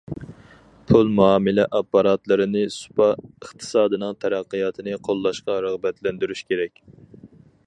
پۇل مۇئامىلە ئاپپاراتلىرىنى سۇپا ئىقتىسادىنىڭ تەرەققىياتىنى قوللاشقا رىغبەتلەندۈرۈش كېرەك.